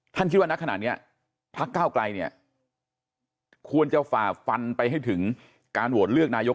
คิดว่านักขณะนี้พักเก้าไกลเนี่ยควรจะฝ่าฟันไปให้ถึงการโหวตเลือกนายก